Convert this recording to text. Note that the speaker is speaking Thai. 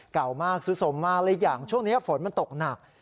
เก่ามากสุสมมาหลายอย่างช่วงนี้ฝนมันตกหนัก